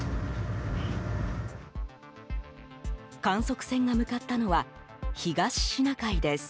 観測船が向かったのは東シナ海です。